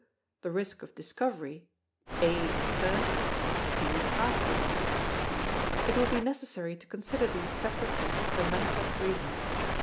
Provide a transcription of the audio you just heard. The risk of discovery, (a) at first, (b) afterwards. It will be necessary to consider these separately for manifest reasons.